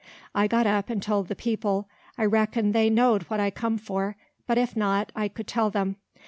I got up and told the people, I reckoned they know'd what I come for, but if not, I could tell them.